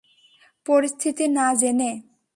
পরিস্থিতি না জেনে?